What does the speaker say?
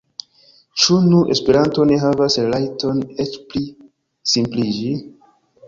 Ĉu nur Esperanto ne havas la rajton eĉ pli simpliĝi?